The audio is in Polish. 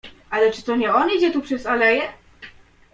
"Ale czy to nie on idzie tu przez aleję?"